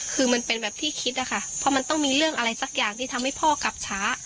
คือมันเป็นแบบที่คิดอะค่ะเพราะมันต้องมีเรื่องอะไรสักอย่างที่ทำให้พ่อกลับช้า